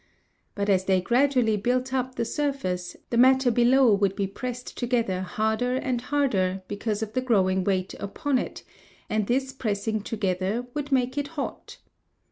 But as they gradually built up the surface the matter below would be pressed together harder and harder because of the growing weight upon it, and this pressing together would make it hot.